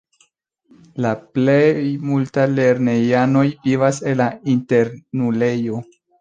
La plej multaj lernejanoj vivas en la internulejo.